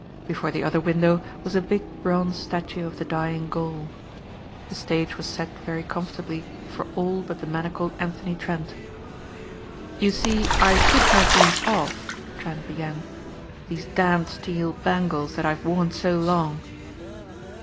Before the other window was a big bronze statue of the dying Gaul. The stage was set very comfortably for all but the manacled Anthony Trent. "You said I could have these off," Trent began, "these damned steel bangles that I've worn so long."